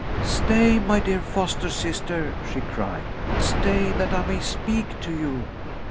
"Stay, my dear foster sister!" she cried. "Stay, that I may speak to you!"